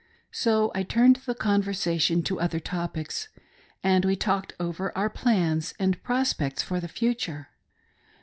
So I turned the conversation to other topics, and we talked over our plans and prospects for the future.